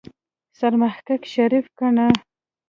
سرمحقق شريف کنه.